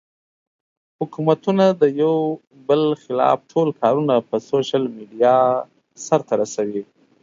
حکومتونه د يو بل خلاف ټول کارونه پۀ سوشل ميډيا سر ته رسوي